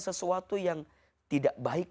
sesuatu yang tidak baik